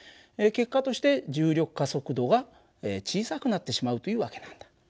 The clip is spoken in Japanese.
結果として重力加速度が小さくなってしまうという訳なんだ。